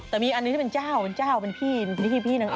แต่มีอันนี้เป็นเจ้าอันนี้เป็นพี่นางเอก